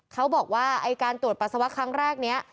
เขาบอกว่าไอ้การตรวจปัสสาวะครั้งแรกนี้